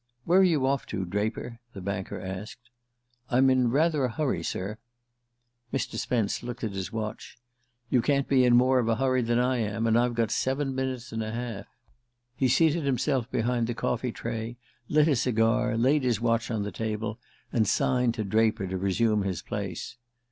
"Where are you off to, Draper?" the banker asked. "I'm in rather a hurry, sir " Mr. Spence looked at his watch. "You can't be in more of a hurry than I am; and I've got seven minutes and a half." He seated himself behind the coffee tray, lit a cigar, laid his watch on the table, and signed to Draper to resume his place.